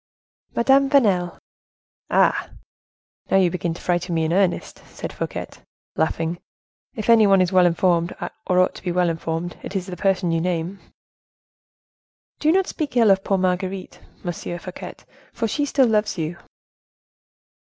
"Madame Vanel." "Ah! now you begin to frighten me in earnest," said Fouquet, laughing; "if any one is well informed, or ought to be well informed, it is the person you name." "Do not speak ill of poor Marguerite, Monsieur Fouquet, for she still loves you."